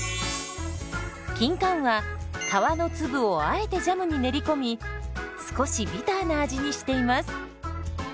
キンカンは皮の粒をあえてジャムに練り込み少しビターな味にしています。